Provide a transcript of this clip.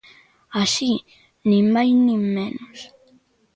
Así, nin máis nin menos.